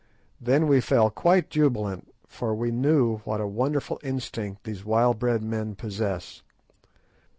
Then we felt quite jubilant, for we knew what a wonderful instinct these wild bred men possess.